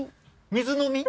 水飲み？